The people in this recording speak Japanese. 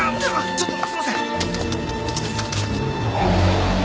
ちょっとすいません。